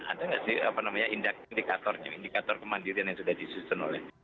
ada nggak sih apa namanya indikator indikator kemandirian yang sudah disusun oleh